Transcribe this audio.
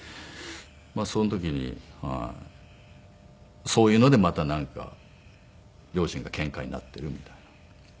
その時にそういうのでまたなんか両親がケンカになっているみたいな。